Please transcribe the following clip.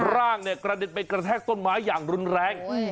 ร่างกระเด็นไปกระแทต์สนหมาอย่างรุนแรง